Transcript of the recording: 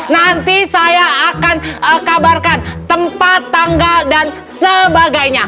nanti saya akan kabarkan tempat tanggal dan sebagainya